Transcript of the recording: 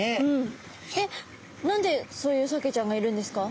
えっ何でそういうサケちゃんがいるんですか？